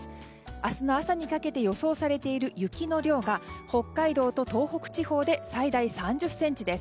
明日の朝にかけて予想されている雪の量が北海道と東北地方で最大３０ｃｍです。